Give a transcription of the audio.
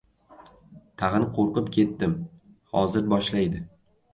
Tag‘in qo‘rqib ketdim. Hozir boshlaydi.